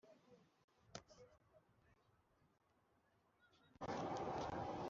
bazamubona afite mu maso h’icyubahiro n’ubwiza bwinshi,